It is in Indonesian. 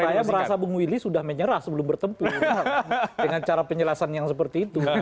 saya merasa bung willy sudah menyerah sebelum bertempur dengan cara penjelasan yang seperti itu